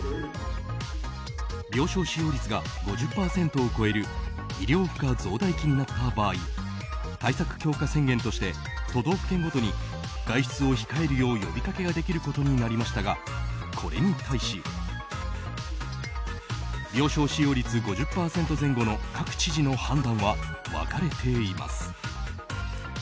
病床使用率が５０％を超える医療負荷増大期になった場合都道府県ごとに外出を控えるよう呼びかけができるようになりましたがこれに対し病床使用率５０％前後の各知事の判断は分かれています。